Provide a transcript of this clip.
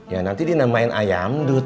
ya nanti dinamain ayamdut